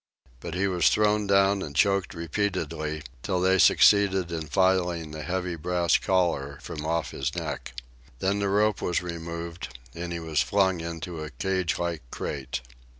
But he was thrown down and choked repeatedly, till they succeeded in filing the heavy brass collar from off his neck. Then the rope was removed, and he was flung into a cagelike crate.